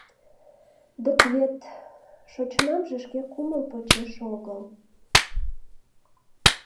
— Дык вет... шочынамже шке кумыл почеш огыл.